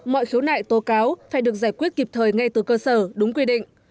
mọi khiếu nại tố cáo phải được giải quyết kịp thời ngay từ cơ sở đúng quy định